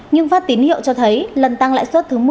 nhưng phát tín hiệu cho thấy lần tăng lãi suất thứ một mươi